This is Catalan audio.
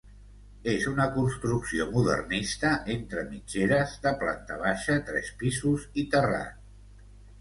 És una construcció modernista entre mitgeres, de planta baixa, tres pisos i terrat.